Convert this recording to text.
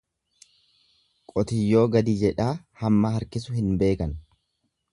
Qotiyyoo gadi jedhaa hamma harkisu hin beekan.